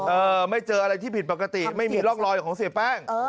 เออไม่เจออะไรที่ผิดปกติไม่มีร่องรอยของเสียแป้ง